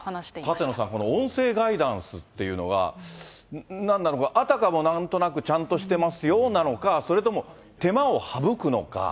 舘野さん、音声ガイダンスっていうのは、何なのか、あたかも、ちゃんとしてますよなのか、それとも手間を省くのか。